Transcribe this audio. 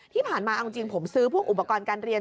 ที่ผ่านมาเอาจริงผมซื้อพวกอุปกรณ์การเรียน